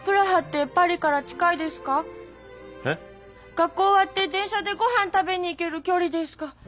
学校終わって電車でご飯食べに行ける距離ですか？